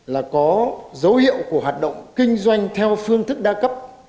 là có dấu hiệu của hoạt động kinh doanh theo phương thức đa cấp